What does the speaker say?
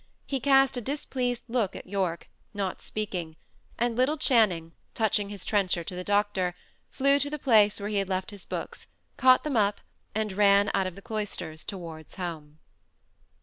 He cast a displeased glance at Yorke, not speaking; and little Channing, touching his trencher to the doctor, flew to the place where he had left his books, caught them up, and ran out of the cloisters towards home.